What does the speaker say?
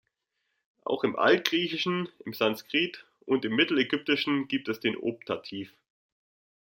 Auch im Altgriechischen, im Sanskrit und im Mittelägyptischen gibt es den Optativ.